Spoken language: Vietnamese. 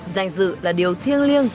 danh dự là điều thiêng liêng